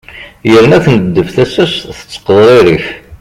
yerna tneddef tasa-s tettqeḍririf